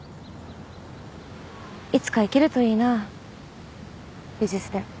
いつか行けるといいなぁ美術展。